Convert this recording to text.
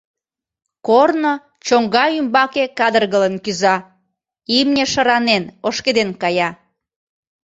Корно чоҥга ӱмбаке кадыргылын кӱза, имне шыранен, ошкеден кая.